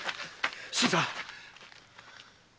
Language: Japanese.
新さん！